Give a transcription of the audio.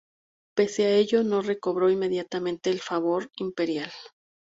Pese a ello, no recobró inmediatamente el favor imperial.